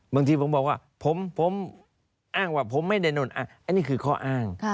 บางทีผมบอกว่าผมอ้างว่าผมไม่ได้โดนอ้างอันนี้คือข้ออ้าง